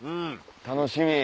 楽しみ。